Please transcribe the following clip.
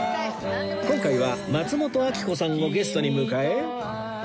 今回は松本明子さんをゲストに迎え